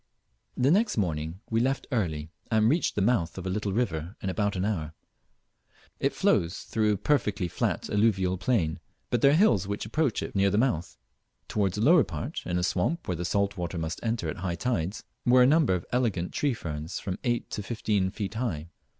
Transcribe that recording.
The next morning we left early, and reached the mouth of the little river in about au hour. It flows through a perfectly flat alluvial plain, but there are hills which approach it near the mouth. Towards the lower part, in a swamp where the salt water must enter at high tides, were a number of elegant tree ferns from eight to fifteen feet high.